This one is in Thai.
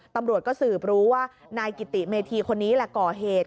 ตำรวจก็สืบรู้ว่านายกิติเมธีคนนี้แหละก่อเหตุ